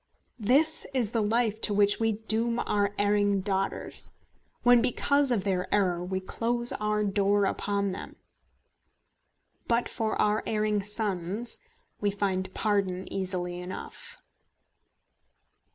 This is the life to which we doom our erring daughters, when because of their error we close our door upon them! But for our erring sons we find pardon easily enough.